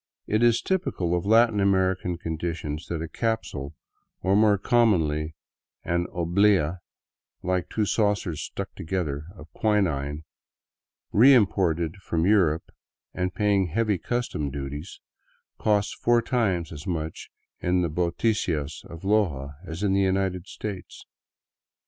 It is typical of Latin American conditions that a capsule — or more com monly an oblea, like two saucers stuck together — of quinine, reim ported from Europe and paying heavy custom duties, costs four times as much in the boticas of Loja as in the United States.